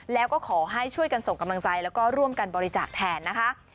แล้วก็ขอให้ช่วยกันส่งกำลังใจแล้วก็ร่วมกันบริจาคแทนนะคะ